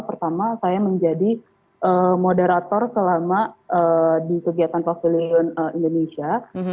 pertama saya menjadi moderator selama di kegiatan pavilion indonesia